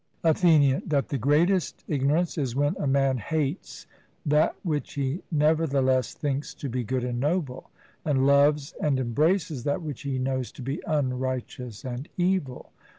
ATHENIAN: That the greatest ignorance is when a man hates that which he nevertheless thinks to be good and noble, and loves and embraces that which he knows to be unrighteous and evil.